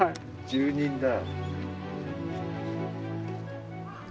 住人だ。